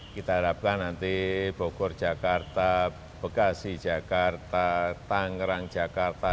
kita harapkan nanti bogor jakarta bekasi jakarta tangerang jakarta